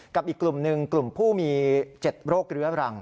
อีกกลุ่มหนึ่งกลุ่มผู้มี๗โรคเรื้อรัง